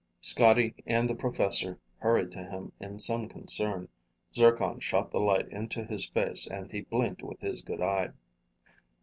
Scotty and the professor hurried to him in some concern. Zircon shot the light into his face and he blinked with his good eye.